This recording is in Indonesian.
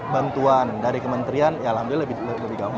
bantuan dari kementerian ya alhamdulillah lebih gampang